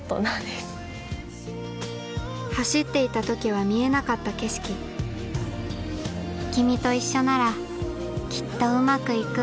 走っていた時は見えなかった景色君と一緒ならきっとウマくいく